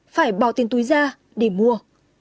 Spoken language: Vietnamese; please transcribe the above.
phải bỏ tiền túi ra để mua